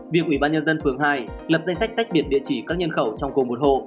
việc ủy ban nhân dân phường hai lập danh sách tách biệt địa chỉ các nhân khẩu trong cùng một hộ